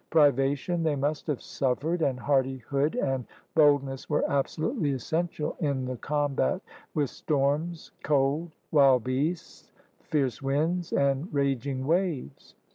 Pri vation they must have suffered, and hardihood and boldness were absolutely essential in the combat with storms, cold, wild beasts, fierce winds, and raging waves.